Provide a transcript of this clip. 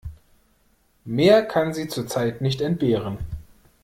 Mehr kann sie zurzeit nicht entbehren.